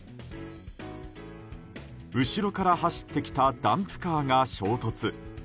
後ろから走ってきたダンプカーが衝突。